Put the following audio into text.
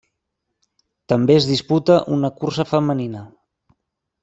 També es disputa una cursa femenina.